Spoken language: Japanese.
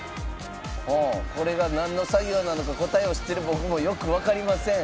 これがなんの作業なのか答えを知ってる僕もよくわかりません。